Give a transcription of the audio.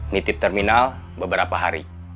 nitip terminal beberapa hari